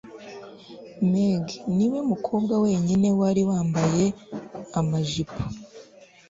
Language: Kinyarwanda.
Meg niwe mukobwa wenyine wari wambaye amajipo